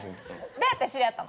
どうやって知り合ったの？